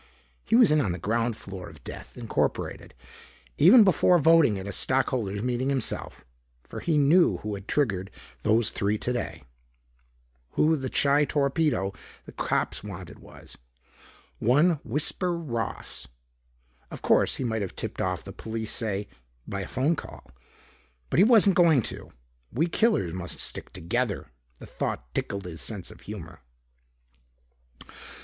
He was in on the ground floor of Death, Inc. Even before voting at a stock holders' meeting himself. For he knew who had triggered those three today, who the Chi torpedo the cops wanted was. One Whisper Ross. Of course, he might have tipped off the police say, by a phone call. But he wasn't going to. "We killers must stick together." The thought tickled his sense of humor.